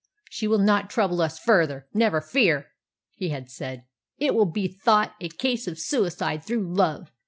"She will not trouble us further. Never fear!" he had said. "It will be thought a case of suicide through love.